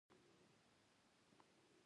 راروان دی خو پوهیږي نه چې څنګه